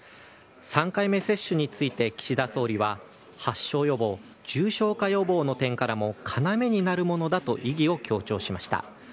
３回目接種について岸田総理は、発症予防、重症化予防の点からも要になるものだと意義を強調しました。